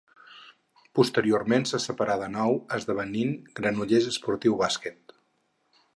Posteriorment se separarà de nou esdevenint Granollers Esportiu Bàsquet.